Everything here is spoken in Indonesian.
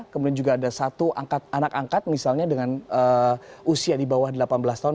kemudian juga ada satu anak angkat misalnya dengan usia di bawah delapan belas tahun